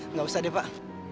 nggak usah deh pak